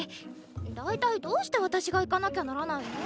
大体どうして私が行かなきゃならないの？